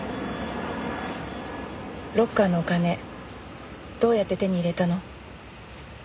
ロッカーのお金どうやって手に入れたの？